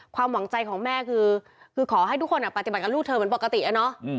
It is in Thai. ความหวังใจของแม่คือขอให้ทุกคนปฏิบัติกับลูกเธอเหมือนปกติอะเนาะ